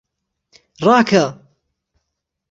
ڕاکە!